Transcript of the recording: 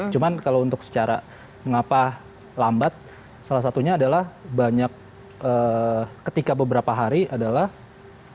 cuma kalau untuk secara mengapa lambat salah satunya adalah banyak ketika beberapa hari adalah banyak orang yang menangkap